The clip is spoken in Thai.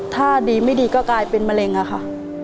ถ้าดีไม่ดีก็กลายเป็นมะเร็งอะค่ะ